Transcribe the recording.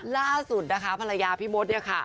ล่าสุดนะคะภรรยาพี่มดเนี่ยค่ะ